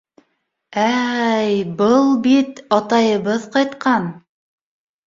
Ә-ә-й, был бит атайыбыҙ ҡайтҡан!